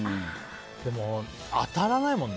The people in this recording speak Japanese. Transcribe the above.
でも、当たらないもんね。